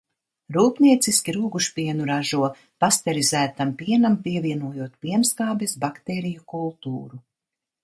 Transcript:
Rūpnieciski rūgušpienu ražo, pasterizētam pienam pievienojot pienskābes baktēriju kultūru.